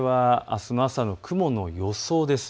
あすの朝の雲の予想です。